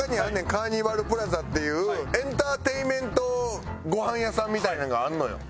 カーニバルプラザっていうエンターテインメントごはん屋さんみたいなのがあるのよ。